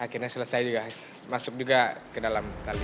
akhirnya selesai juga masuk juga ke dalam tali